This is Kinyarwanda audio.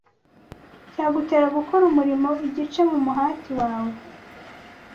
cyagutera gukora umurimo igice mu muhati wawe